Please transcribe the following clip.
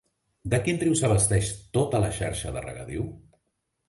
De quin riu s'abasteix tota la xarxa de regadiu?